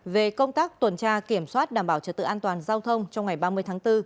về công tác tuần tra kiểm soát đảm bảo trật tự an toàn giao thông trong ngày ba mươi tháng bốn